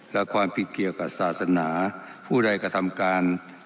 และความผิดเกี่ยวกับศาสนาผู้ใดกระทำการ